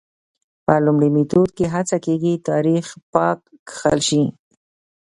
په لومړي میتود کې هڅه کېږي تاریخ پاک کښل شي.